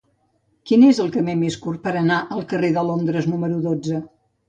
Quin és el camí més curt per anar al carrer de Londres número dotze?